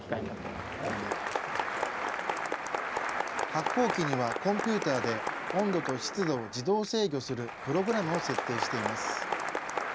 発酵機にはコンピューターで温度と湿度を自動制御するプログラムを設定しています。